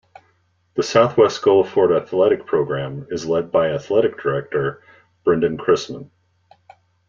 The Southwest Guilford Athletic program is led by athletic director Brindon Christman.